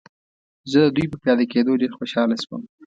زه د دوی په پیاده کېدو ډېر خوشحاله شوم.